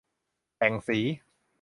แต่งสี